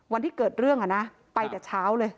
วันที่เกิดเรื่องไปแต่เช้าเลย